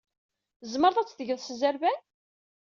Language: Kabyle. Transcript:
Tzemreḍ ad t-tgeḍ s zzerban?